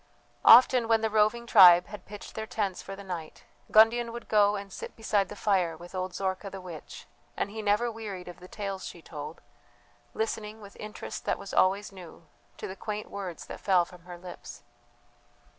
Often when the roving tribe had pitched their tents for the night, Gundian would go and sit beside the fire with old Zorka the witch, and he never wearied of the tales she told, listening, with interest that was always new, to the quaint words that fell from her lips.